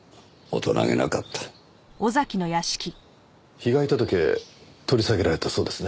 被害届取り下げられたそうですね。